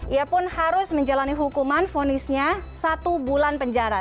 ia pun harus menjalani hukuman vonisnya satu bulan penjara